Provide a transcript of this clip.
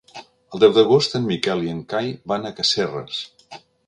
El deu d'agost en Miquel i en Cai van a Casserres.